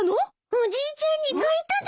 おじいちゃんに書いたです。